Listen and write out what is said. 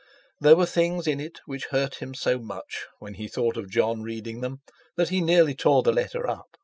There were things in it which hurt him so much, when he thought of Jon reading them, that he nearly tore the letter up.